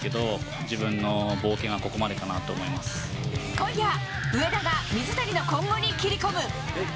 今夜、上田が水谷の今後に切り込む。